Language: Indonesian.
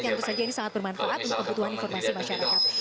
tentu saja ini sangat bermanfaat untuk kebutuhan informasi masyarakat